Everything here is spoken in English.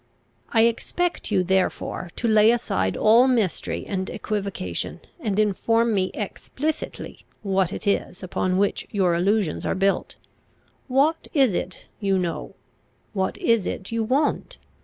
I expect you therefore to lay aside all mystery and equivocation, and inform me explicitly what it is upon which your allusions are built. What is it you know? What is it you want?